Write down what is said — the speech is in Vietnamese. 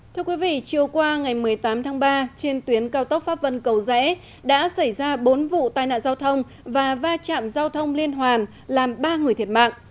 thưa quý vị chiều qua ngày một mươi tám tháng ba trên tuyến cao tốc pháp vân cầu rẽ đã xảy ra bốn vụ tai nạn giao thông và va chạm giao thông liên hoàn làm ba người thiệt mạng